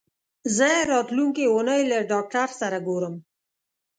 زه راتلونکې اونۍ له ډاکټر سره ګورم.